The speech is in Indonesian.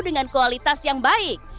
dengan kualitas yang baik